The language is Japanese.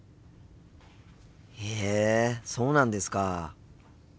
へえそうなんですか！